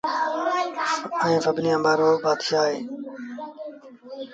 ائيٚݩ سڀنيٚ آݩبآݩ رو بآتشآه اهي